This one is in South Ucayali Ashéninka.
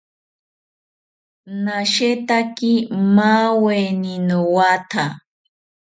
Nashetaki maaweni nowatha